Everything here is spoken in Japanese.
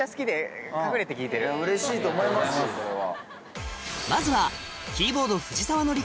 うれしいと思いますよそれは。